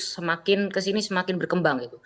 semakin kesini semakin berkembang